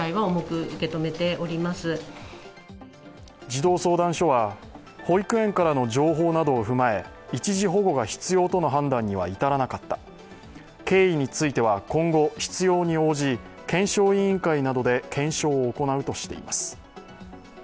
児童相談所は保育園からの情報などを踏まえ一時保護が必要との判断には至らなかった、経緯については今後必要に応じ検証委員会などで検証を行うとしています。